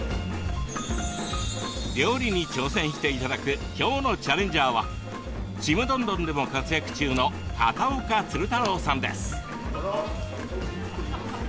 料理に挑戦していただくきょうのチャレンジャーは「ちむどんどん」でも活躍中の片岡鶴太郎さんです。